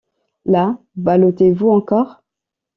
La! ballottez-vous encores?